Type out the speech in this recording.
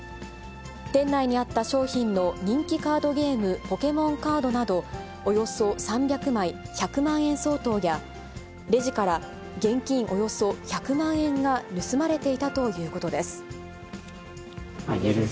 店内にあった商品の人気カードゲーム、ポケモンカードなど、およそ３００枚、１００万円相当や、レジから現金およそ１００万円が盗まれていたということです。